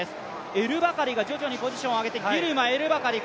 エルバカリが徐々にポジションあげて、ギルマ、エルバカリ